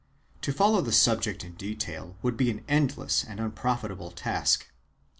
To follow the subject in detail would be an endless and unprofitable task.